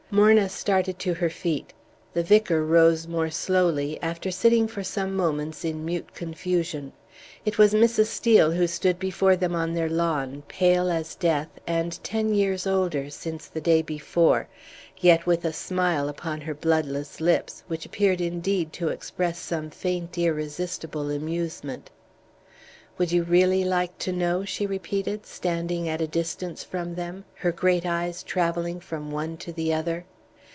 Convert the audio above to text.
Morna started to her feet. The vicar rose more slowly, after sitting for some moments in mute confusion. It was Mrs. Steel who stood before them on their lawn, pale as death, and ten years older since the day before, yet with a smile upon her bloodless lips, which appeared indeed to express some faint irresistible amusement. "Would you really like to know?" she repeated, standing at a distance from them, her great eyes travelling from one to the other.